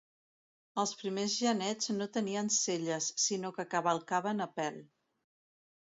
Els primers genets no tenien selles, sinó que cavalcaven a pèl.